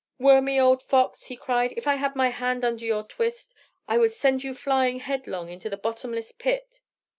"Wormy old fox," he cried. "If I had my hand under your twist, I would send you flying headlong into the bottomless pit."